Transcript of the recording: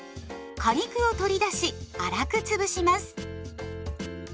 果肉を取り出し粗くつぶします。